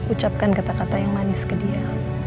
ucapkan kata kata yang manis ke dia